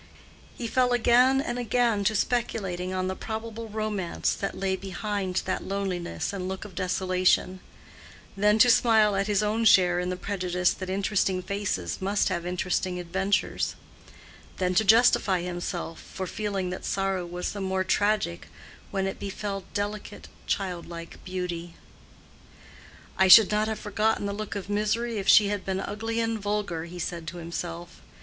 He fell again and again to speculating on the probable romance that lay behind that loneliness and look of desolation; then to smile at his own share in the prejudice that interesting faces must have interesting adventures; then to justify himself for feeling that sorrow was the more tragic when it befell delicate, childlike beauty. "I should not have forgotten the look of misery if she had been ugly and vulgar," he said to himself.